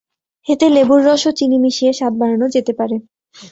এতে লেবুর রস ও চিনি মিশিয়ে স্বাদ বাড়ানো যেতে পারে।